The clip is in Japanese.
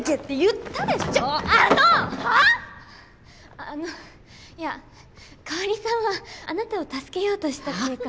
あのいや香さんはあなたを助けようとしたって言うか。